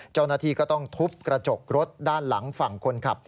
เจ้าหน้าที่ก็ต้องทุบกระจกรถด้านหลังฝั่งคนขับ